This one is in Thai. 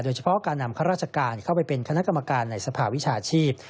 โดยเฉพาะการนำข้าราชการเข้าไปเป็นคณะกรรมการในสภาวิชาชีพ